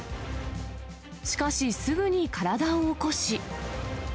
しかし、すぐに体を起こし。